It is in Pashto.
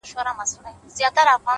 هېره مي يې’